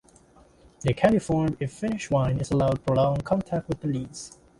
They can be formed if finished wine is allowed prolonged contact with the lees.